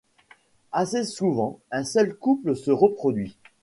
Assez souvent, un seul couple se reproduit.